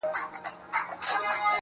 زما ونه له تا غواړي راته.